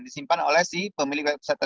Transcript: disimpan oleh pemilik website